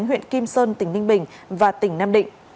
huyện kim sơn tỉnh ninh bình và tỉnh nam định